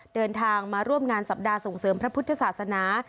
เดินทางมาร่วมงานสัปดาห์ส่งเสริมพระพุทธศาสนา